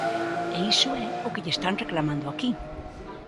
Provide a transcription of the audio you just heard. E iso é o que lle están reclamando aquí.